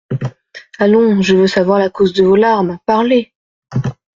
Allons, je veux savoir la cause de vos larmes, parlez !